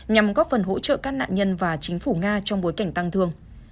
nhằm góp phần hỗ trợ các nạn nhân và chính phủ nga trong bối cảnh tăng thương